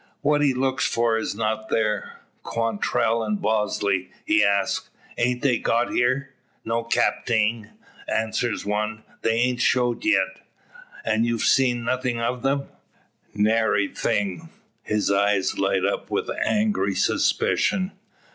What he looks for is not there! "Quantrell and Bosley," he asks, "ain't they got here?" "No, capting," answers one. "They hain't showed yet." "And you've seen nothin' of them?" "Nary thing." His eyes light up with angry suspicion.